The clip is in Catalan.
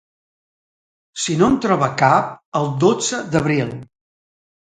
Si no en troba cap, el dotze d’abril.